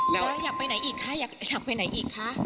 แล้วอยากไปไหนอีกคะอยากไปไหนอีกคะ